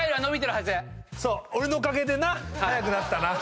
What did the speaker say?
俺のおかげでな速くなったな。